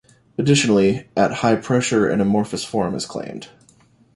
Additionally at high pressure an amorphous form is claimed.